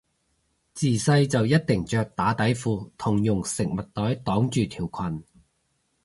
自細就一定着打底褲同用食物袋擋住條裙